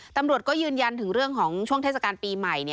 ตำรวจก็ยืนยันถึงเรื่องของช่วงเทศกาลปีใหม่